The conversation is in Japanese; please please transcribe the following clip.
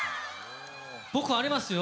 僕ありますよ！